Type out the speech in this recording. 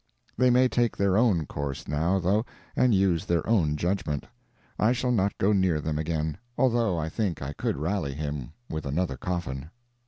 They may take their own course now, though, and use their own judgment. I shall not go near them again, although I think I could rally him with another coffin.